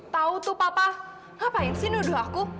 tau tuh papa ngapain sih nuduh aku